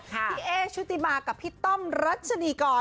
พี่เอ๊ชุติมากับพี่ต้อมรัชนีกร